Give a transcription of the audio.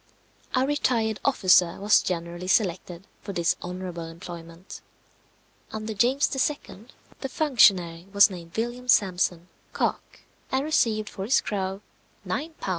A retired officer was generally selected for this honourable employment. Under James II. the functionary was named William Sampson, Cock, and received for his crow £9, 2s.